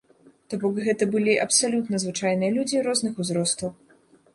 То бок гэта былі абсалютна звычайныя людзі розных узростаў.